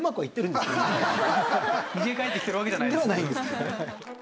逃げ帰ってきてるわけじゃないですね。